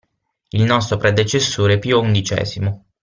Il nostro predecessore Pio XI.